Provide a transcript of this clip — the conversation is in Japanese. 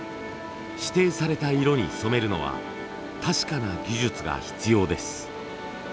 指定された色に染めるのは確かな技術が必要です。